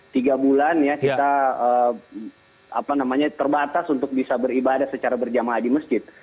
tiga bulan ya kita terbatas untuk bisa beribadah secara berjamaah di masjid